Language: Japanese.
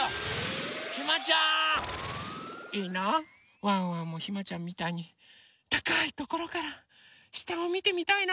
いいなワンワンもひまちゃんみたいにたかいところからしたをみてみたいな。